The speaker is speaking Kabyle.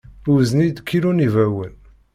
Wzen-iyi-d kilu n yibawen.